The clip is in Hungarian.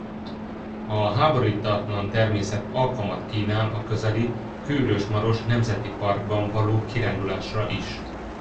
A háborítatlan természet alkalmat kínál a közeli Körös–Maros Nemzeti Parkban való kirándulásra is.